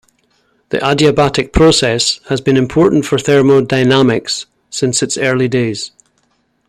The adiabatic process has been important for thermodynamics since its early days.